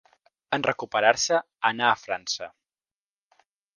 En recuperar-se anà a França.